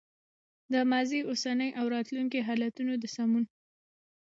د ماضي، اوسني او راتلونکي حالتونو د سمون